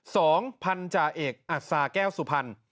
สองพันธาเอกอัศาแก้วสุพรรณ